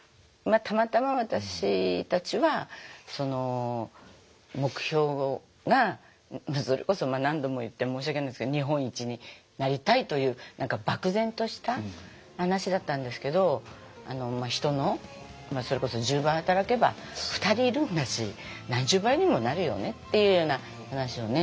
たまたま私たちは目標がそれこそ何度も言って申し訳ないんですけど日本一になりたいという何か漠然とした話だったんですけど人のまあそれこそ１０倍働けば２人いるんだし何十倍にもなるよねっていうような話をずっとしてましたよね。